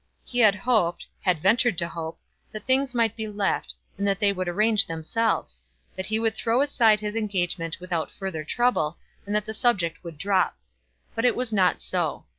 He had hoped, he had ventured to hope, that things might be left, and that they would arrange themselves; that he could throw aside his engagement without further trouble, and that the subject would drop. But it was not so.